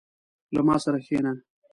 • له ما سره کښېنه.